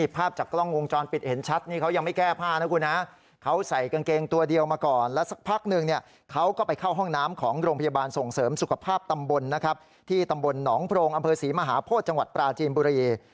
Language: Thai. ภาพตำบลนะครับที่ตำบลหนองโพรงอำเภอศรีมหาโพธย์จังหวัดปราจีนบุรียี